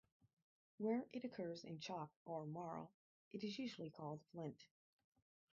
Where it occurs in chalk or marl, it is usually called flint.